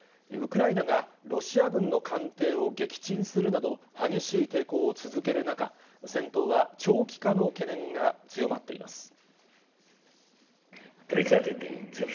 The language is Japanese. ウクライナがロシア軍の艦艇を撃沈するなど、激しい抵抗を続ける中、戦闘は長期化の懸念が強まっています。